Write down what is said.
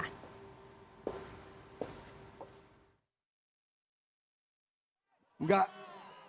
dengar ini ya